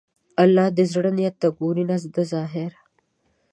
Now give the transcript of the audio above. الله د زړه نیت ته ګوري، نه د ظاهره.